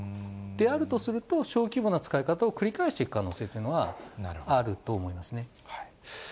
であるとすると、小規模な使い方を繰り返していく可能性というのはあると思います